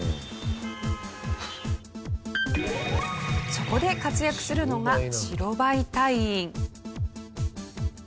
そこで活躍するのが白バイ隊員。